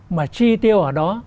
mà chi tiêu ở đó